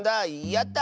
やった！